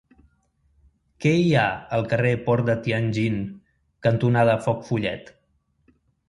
Què hi ha al carrer Port de Tianjin cantonada Foc Follet?